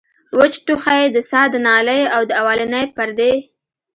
وچ ټوخی د ساه د نالۍ د اولنۍ پردې